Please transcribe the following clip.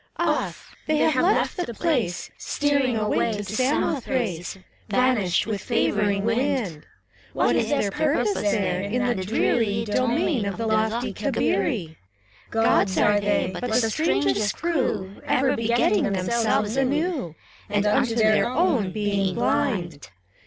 Off I they have left the place, Steering away to Samothrace, Vanished with favoring wind. What is their purpose there, in the dreaiy Domain of the lofty Cabirit Gk>ds are they, but the strangest crew, Ever begetting themselves anew. And unto their own being blind.